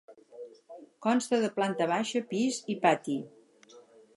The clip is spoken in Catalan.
Consta de planta baixa, pis i pati.